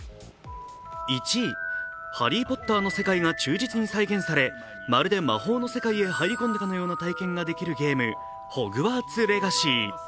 １位、ハリー・ポッターの世界が忠実に再現されまるで魔法の世界へ入り込んだかのような体験ができるゲーム「ホグワーツ・レガシー」。